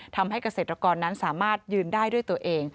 ทำให้เกษตรกรนั้นสามารถยืนได้ด้วยตัวเอง